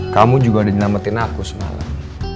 kamu juga udah nyelamatin aku semalam